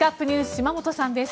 島本さんです。